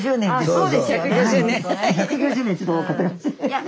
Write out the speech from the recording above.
そうですよね。